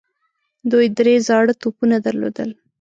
دوی درې زاړه توپونه درلودل.